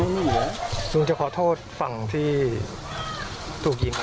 ลุงจะขอโทษฝั่งที่ถูกยิง